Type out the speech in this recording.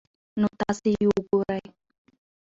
نو تاسي ئې وګورئ